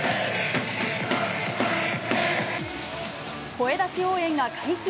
声出し応援が解禁。